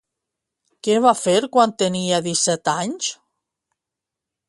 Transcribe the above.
Què va fer quan tenia disset anys?